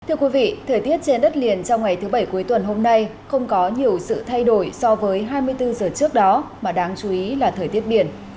thưa quý vị thời tiết trên đất liền trong ngày thứ bảy cuối tuần hôm nay không có nhiều sự thay đổi so với hai mươi bốn giờ trước đó mà đáng chú ý là thời tiết biển